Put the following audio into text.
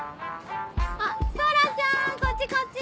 あっ空ちゃんこっちこっち！